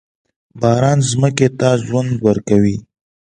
باران ځمکې ته ژوند ورکوي.